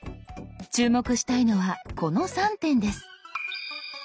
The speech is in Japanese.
注目したいのはこの３点です。